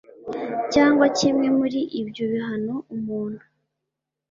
cyangwa kimwe muri ibyo bihano umuntu